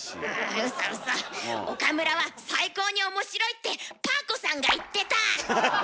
ウソウソ岡村は最高におもしろいってパー子さんが言ってた！